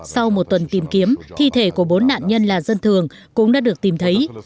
sau một tuần tìm kiếm thi thể của bốn nạn nhân là dân thường cũng đã được tìm thấy